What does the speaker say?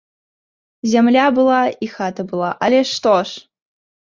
Зямля была, і хата была, але што ж!